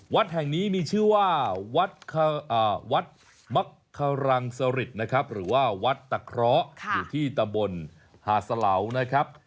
วัดแห่งนี้มีชื่อว่าวัดมักครังสริตนะครับหรือว่าวัดตะเคราะห์อยู่ที่ตำบลหาดสะเหลานะครับ